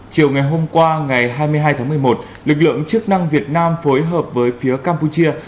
chiều ngày hôm qua ngày hai mươi hai tháng một mươi một lực lượng chức năng việt nam phối hợp với phía campuchia